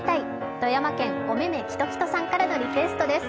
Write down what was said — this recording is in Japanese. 富山県おめめきときとさんからのリクエストです。